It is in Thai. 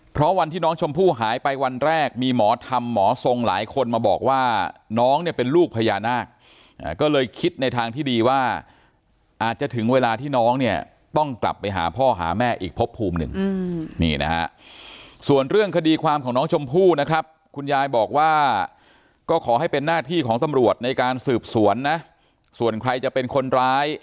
เพราะวันที่น้องชมพู่หายไปวันแรกมีหมอธรรมหมอทรงหลายคนมาบอกว่าน้องเนี่ยเป็นลูกพญานาคก็เลยคิดในทางที่ดีว่าอาจจะถึงเวลาที่น้องเนี่ยต้องกลับไปหาพ่อหาแม่อีกพบภูมิหนึ่งนี่นะฮะส่วนเรื่องคดีความของน้องชมพู่นะครับคุณยายบอกว่าก็ขอให้เป็นหน้าที่ของตำรวจในการสืบสวนนะส่วนใครจะเป็นคนร้าย